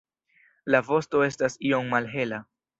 La vosto estas iom malhela.